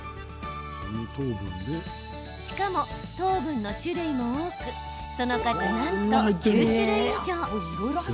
しかも、糖分の種類も多くその数なんと９種類以上。